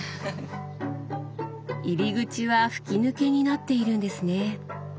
入り口は吹き抜けになっているんですね。